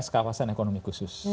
kawasan ekonomi khusus